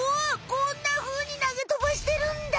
こんなふうになげとばしてるんだ！